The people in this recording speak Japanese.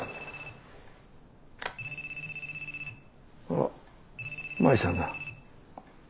あっ麻衣さんだ。